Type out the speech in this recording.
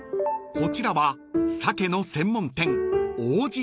［こちらはサケの専門店］